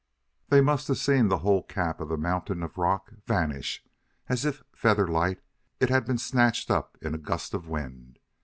They must have seen the whole cap of the mountain of rock vanish as if, feather light, it had been snatched up in a gust of wind.